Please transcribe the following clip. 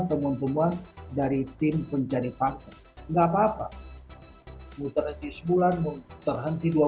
pemontungan dari tim pencari faktor enggak apa apa muter lagi sebulan muter henti dua